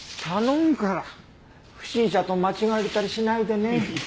頼むから不審者と間違われたりしないでね。